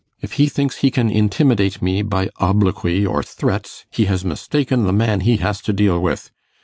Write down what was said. If he thinks he can intimidate me by obloquy or threats, he has mistaken the man he has to deal with.